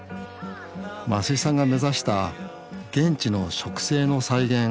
増井さんが目指した現地の植生の再現